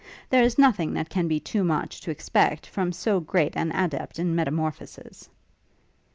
There is nothing that can be too much to expect from so great an adept in metamorphoses.'